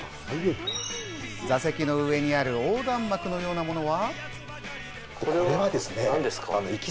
座席の上にある横断幕のようなものは。